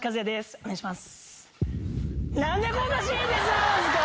お願いします。